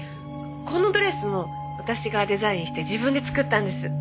このドレスも私がデザインして自分で作ったんです。